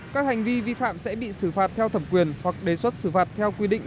các hành vi vi phạm sẽ bị xử phạt theo thẩm quyền hoặc đề xuất xử phạt theo quy định